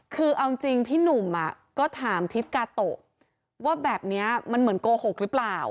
คือเอาจริงพี่หนุ่มก็ถามทิศกาโตะว่าแบบนี้มันเหมือนโกหกหรือเปล่า